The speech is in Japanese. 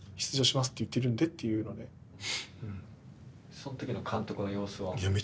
その時の監督の様子は？